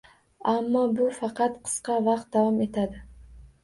Ammo bu faqat qisqa vaqt davom etadi